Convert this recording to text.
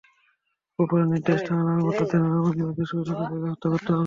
ওপরের নির্দেশ, আনার পথে জেনারেল মঞ্জুরকে সুবিধামতো জায়গায় হত্যা করতে হবে।